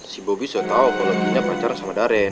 si bobby sudah tahu kalau gina pacaran sama daren